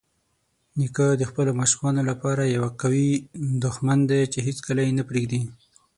نیکه د خپلو ماشومانو لپاره یوه قوي دښمن دی چې هیڅکله یې نه پرېږدي.